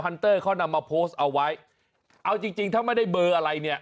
เตอร์เขานำมาโพสต์เอาไว้เอาจริงจริงถ้าไม่ได้เบอร์อะไรเนี่ย